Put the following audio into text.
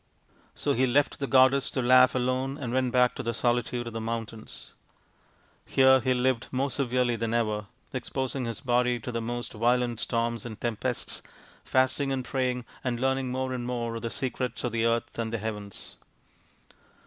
So he left the goddess to laugh alone and went back to the solitude of the mountains. Here he lived more severely than ever, exposing his body to the most violent storms and tempests, fasting and praying, and learning more and more of the secrets of the earth and the heavens.